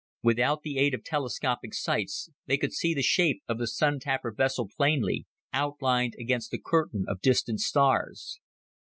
Without the aid of telescopic sights they could see the shape of the Sun tapper vessel plainly, outlined against the curtain of distant stars.